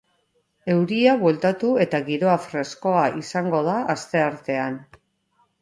Euria bueltatu eta giroa freskoa izango da asteartean.